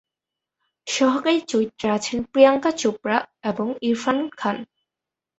সহকারী চরিত্রে আছেন প্রিয়াঙ্কা চোপড়া এবং ইরফান খান।